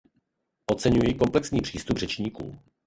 Oceňuji komplexní přístup řečníků.